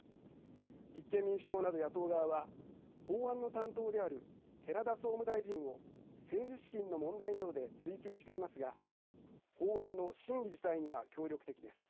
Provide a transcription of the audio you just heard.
立憲民主党など野党側は法案の担当である寺田総務大臣を政治資金の問題などで追及していますが法案の審議自体には協力的です。